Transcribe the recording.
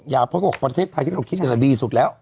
อย่าเพิ่งบอกประเทศไทยที่เราคิดอย่างนั้นดีสุดแล้ว